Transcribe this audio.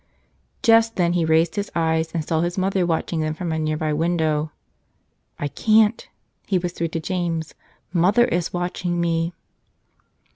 Just then he raised his eyes and saw his mother watching them from a nearby window. "I can't," he whispered to James. "Mother is watching „_» me.